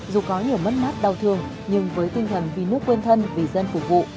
dù có nhiều mất mát đau thương nhưng với tinh thần vì nước quên thân vì dân phục vụ